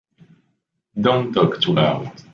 Don't talk too loud.